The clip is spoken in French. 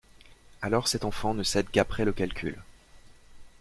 Alors cette enfant ne cède qu'après le calcul.